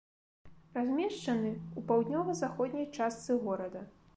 Размешчаны ў паўднёва-заходняй частцы горада.